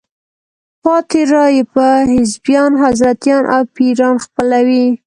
پاتې رایې به حزبیان، حضرتیان او پیران خپلوي.